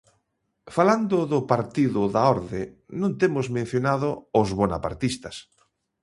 Falando do Partido da Orde, non temos mencionado os bonapartistas.